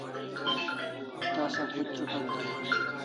tasa kuch trupel day